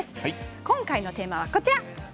今回のテーマは、こちら。